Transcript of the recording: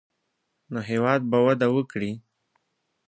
نو هېواد به وده وکړي.